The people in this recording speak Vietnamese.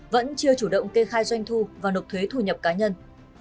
vẫn chưa chủ động kê khai doanh thu và nộp thuế thu nhập cá nhân